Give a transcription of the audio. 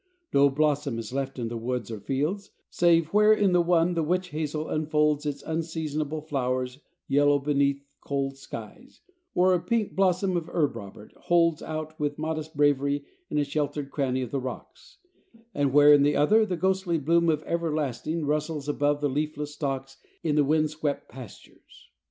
No blossom is left in woods or fields, save where in the one the witch hazel unfolds its unseasonable flowers yellow beneath cold skies, or a pink blossom of herb robert holds out with modest bravery in a sheltered cranny of the rocks; and where in the other, the ghostly bloom of everlasting rustles above the leafless stalks in the wind swept pastures.